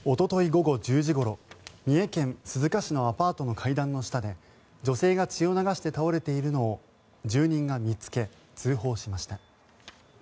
午後１０時ごろ三重県鈴鹿市のアパートの階段の下で女性が血を流して倒れているのを住人が見つけ、通報しました。